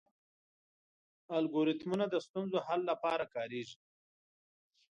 الګوریتمونه د ستونزو حل لپاره کارېږي.